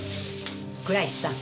倉石さん。